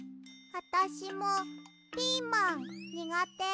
あたしもピーマンにがて。